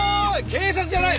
警察じゃない。